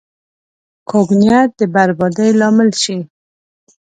کوږ نیت د بربادۍ لامل شي